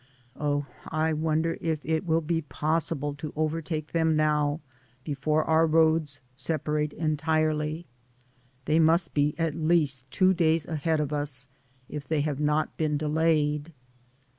Oh, I wonder if it will be possible to overtake them now, before our roads sepa rate entirely. They must be at least two days ahead of us, if they have not been delayed.